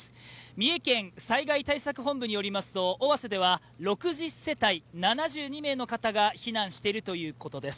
三重県災害対策本部によりますと尾鷲では６０世帯７２名の方が避難しているということです